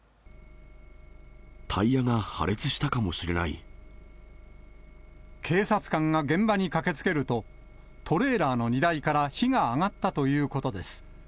タイヤが破裂したかもしれな警察官が現場に駆けつけると、トレーラーの荷台から火が上がったということです。